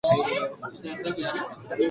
ねえねえ。